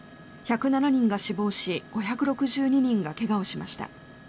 １０７人が死亡し５６２人が怪我をしました。